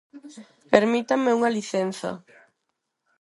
Permítanme unha licenza.